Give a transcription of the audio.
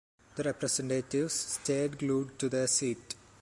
The representatives stayed glued to their seat.